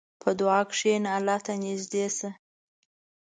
په دعا کښېنه، الله ته نږدې شه.